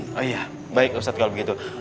oh iya baik ustadz kalau begitu